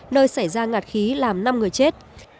nơi xảy ra ngạt khí làm năm người chết